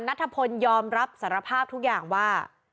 นัทพลยอมรับสารภาพทุกอย่างว่า